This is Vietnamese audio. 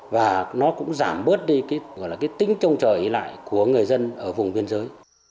và nó cũng giảm bớt đi tính trông trời lại của người dân ở vùng biên giới